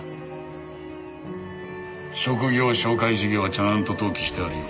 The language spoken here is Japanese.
職業紹介事業はちゃんと登記してあるよ。